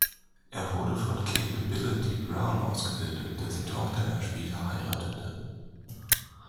Er wurde von Capability Brown ausgebildet, dessen Tochter er später heiratete.